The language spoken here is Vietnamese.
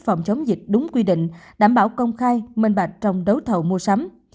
phòng chống dịch đúng quy định đảm bảo công khai minh bạch trong đấu thầu mua sắm